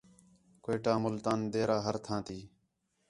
کوئٹہ، ملتان، ڈیرہ ہر تھاں تی